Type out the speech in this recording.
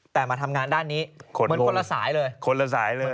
แต่มาทำงานด้านนี้เหมือนคนละสายเลย